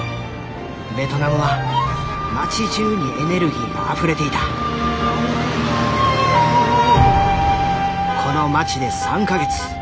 ベトナムは町じゅうにエネルギーがあふれていたこの町で３か月。